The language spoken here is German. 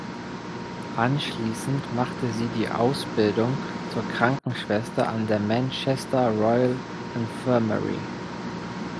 Anschließend machte sie die Ausbildung zur Krankenschwester an der Manchester Royal Infirmary.